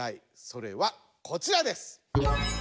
それはこちらです！